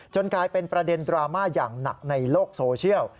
กลายเป็นประเด็นดราม่าอย่างหนักในโลกโซเชียล